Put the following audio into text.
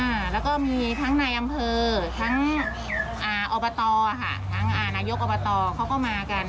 อ่าแล้วก็มีทั้งนายอำเภอทั้งอ่าอบตอ่ะค่ะทั้งอ่านายกอบตเขาก็มากัน